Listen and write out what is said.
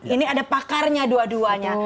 ini ada pakarnya dua duanya